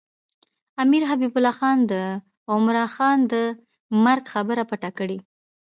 امیر حبیب الله خان د عمرا خان د مرګ خبره پټه کړې.